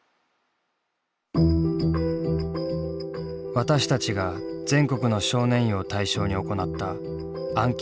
私たちが全国の少年院を対象に行ったアンケート調査。